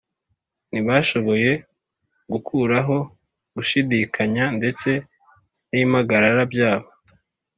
ntibashoboye gukuraho gushidikanya ndetse n’impagarara byabo